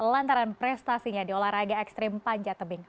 lantaran prestasinya di olahraga ekstrim panjat tebing